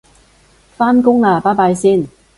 返工喇拜拜先